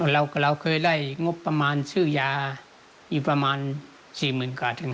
เราก็เคยได้งบประมาณซื่อยาอยู่ประมาณ๔๐๐๐๐กว่าถึง๕๐๐๐๐